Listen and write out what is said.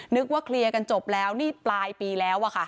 นึกว่าเคลียร์กันจบแล้วนี่ปลายปีแล้วอะค่ะ